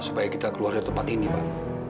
supaya kita keluar dari tempat ini pak